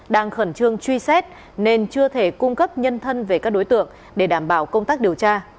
đang khẩn trương truy xét nên chưa thể cung cấp nhân thân về các đối tượng để đảm bảo công tác điều tra